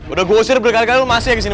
udah gue usir bergali gali lo masih ya disini